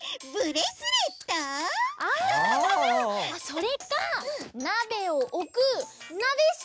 それかなべをおくなべしき！